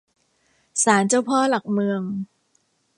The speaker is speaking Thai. ศาลเจ้าพ่อหลักเมือง